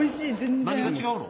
何が違うの？